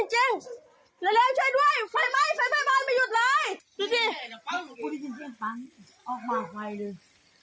ช่วยด้วยช่วยด้วยไฟไหม้บ้านไตรมาผ่องบ้านช่วยด้วย